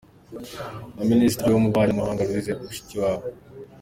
na Minisitiri w’Ububanyi n’Amahanga, Louise Mushikiwabo.